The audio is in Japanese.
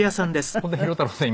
本田博太郎さん